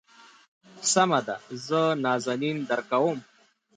سمه ده زه نازنين درکوم.